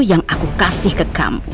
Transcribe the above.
yang aku kasih ke kamu